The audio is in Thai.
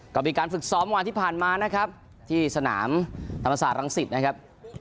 ก็มีการฝึกซ้อมวันที่ผ่านมานะครับที่สนามธรรมศาสตรังสิตนะครับ